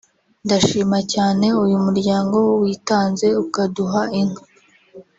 ndashima cyane uyu muryango witanze ukaduha inka